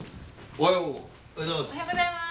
おはようございます。